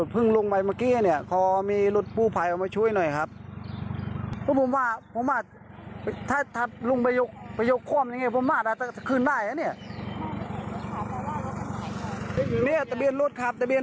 ทะเบียนรถเนี่ย๘๙๙๗นะครับมาช่วยหน่อยรถมันลุงคลองน้ำนะครับ